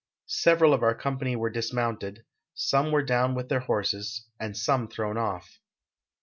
Several of our com})any were dismounted, some were down with their horses, and some thrown off."